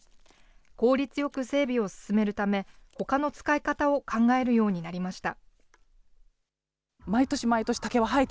効率よく整備を進めるため、ほかの使い方を考えるようになりました。